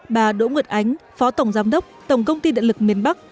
bà đỗ nguyệt ánh phó tổng giám đốc tổng công ty điện lực miền bắc